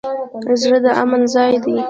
زړه د امن ځای دی.